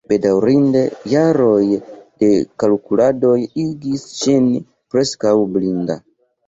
Bedaŭrinde, jaroj da kalkuladoj igis ŝin preskaŭ blinda.